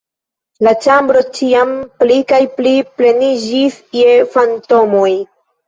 La ĉambro ĉiam pli kaj pli pleniĝis je fantomoj.